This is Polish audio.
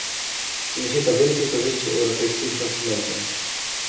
Przyniesie to wielkie korzyści europejskim konsumentom